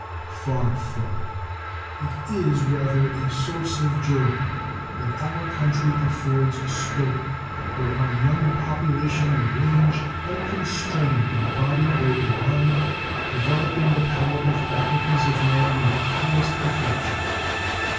Far from it. It is rather a source of joy that our country affords scope where our young population may range unconstrained in body or in mind, developing the power and faculties of man in their highest perfection.